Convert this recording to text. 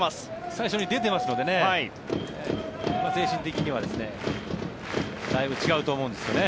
最初に出てますので精神的にはだいぶ違うと思うんですよね。